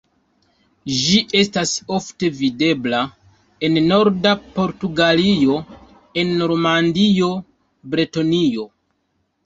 Ĝi estas ofte videbla en norda Portugalio, en Normandio, Bretonio.